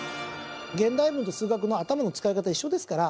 現代文と数学の頭の使い方一緒ですから。